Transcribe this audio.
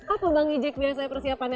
apa bang ijik biasanya persiapannya